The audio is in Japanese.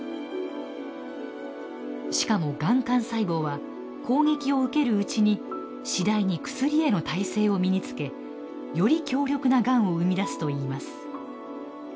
しかもがん幹細胞は攻撃を受けるうちに次第に薬への耐性を身につけより強力ながんを生み出すといいます。